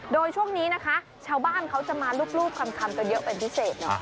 โดยช่วงนี้นะคะชาวบ้านเขาจะมารูปคำกันเยอะเป็นพิเศษเนาะ